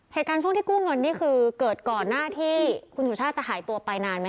เหตุการณ์ช่วงที่กู้เงินนี่คือเกิดก่อนหน้าที่คุณสุชาติจะหายตัวไปนานมั้ยค่ะ